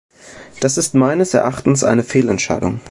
Das ist meines Erachtens eine Fehlentscheidung.